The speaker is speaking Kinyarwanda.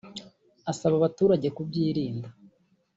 asaba abaturage kubyirinda